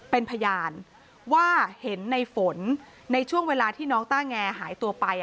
เป็นพยานว่าเห็นในฝนในช่วงเวลาที่น้องต้าแงหายตัวไป